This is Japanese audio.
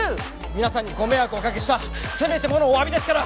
皆さんにご迷惑をおかけしたせめてものおわびですから。